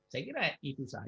saya kira itu saja